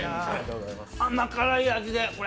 甘辛い味で、これ、